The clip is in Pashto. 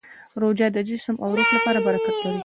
روژه د جسم او روح لپاره برکت لري.